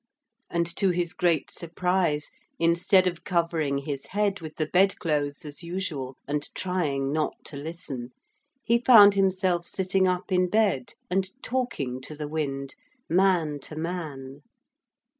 And to his great surprise, instead of covering his head with the bed clothes, as usual, and trying not to listen, he found himself sitting up in bed and talking to the wind, man to man.